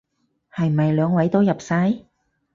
係咪兩位都入晒？